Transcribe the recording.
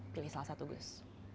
pilih salah satu gus